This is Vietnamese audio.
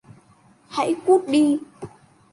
hãy cút đi